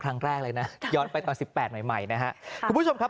ครั้งแรกเลยนะย้อนไปตอนสิบแปดใหม่ใหม่นะฮะคุณผู้ชมครับ